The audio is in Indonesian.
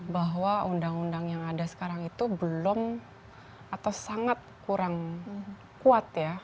bahwa undang undang yang ada sekarang itu belum atau sangat kurang kuat ya